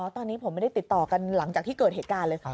ตอนนี้ผมไม่ได้ติดต่อกันหลังจากที่เกิดเหตุการณ์เลย